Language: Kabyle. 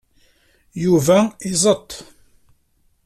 Yuba iẓeṭṭ.